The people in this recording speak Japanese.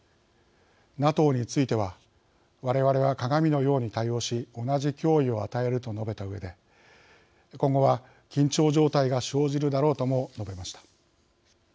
ＮＡＴＯについてはわれわれは鏡のように対応し同じ脅威を与えると述べたうえで今後は、緊張状態が生じるだろうとも述べました。